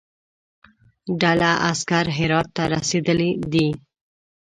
ډله عسکر هرات ته رسېدلی دي.